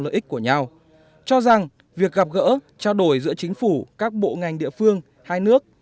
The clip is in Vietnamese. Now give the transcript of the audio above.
lợi ích của nhau cho rằng việc gặp gỡ trao đổi giữa chính phủ các bộ ngành địa phương hai nước